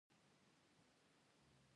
بېنظیر ورته وویل زه ښځه یم